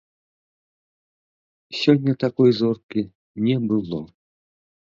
Сёння такой зоркі не было.